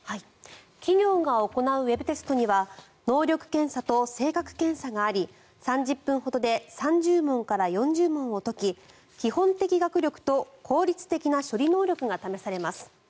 企業が行うウェブテストには能力検査と性格検査があり３０分ほどで３０問から４０問を解き基本的学力と効率的な処理能力が試されます。